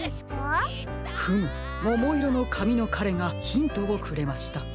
フムももいろのかみのかれがヒントをくれました。